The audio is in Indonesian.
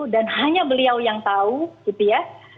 dan hanya beliau yang tahu gitu ya